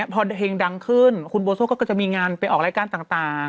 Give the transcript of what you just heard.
พอเพลงดังขึ้นคุณโบโซ่ก็จะมีงานไปออกรายการต่าง